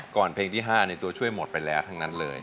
เพลงที่๕ในตัวช่วยหมดไปแล้วทั้งนั้นเลย